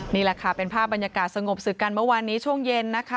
นี่แหละค่ะเป็นภาพบรรยากาศสงบสึกกันเมื่อวานนี้ช่วงเย็นนะคะ